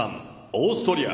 オーストリア。